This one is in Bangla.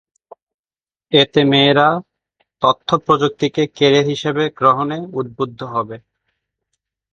এতে মেয়েরা তথ্যপ্রযুক্তিকে ক্যারিয়ার হিসেবে গ্রহণে উদ্বুদ্ধ হবে।